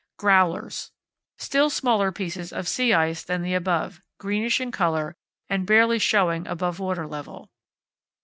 Growlers. Still smaller pieces of sea ice than the above, greenish in colour, and barely showing above water level.